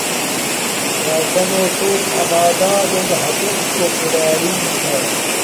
راکانو توپ اما دادون ھتڎ کوٹ دولارین چھا